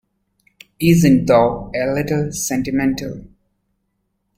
Isn't 'thou' a little sentimental?